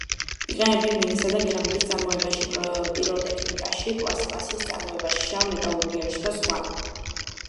იყენებენ მინისა და კერამიკის წარმოებაში, პიროტექნიკაში, პლასტმასის წარმოებაში, შავ მეტალურგიაში და სხვა.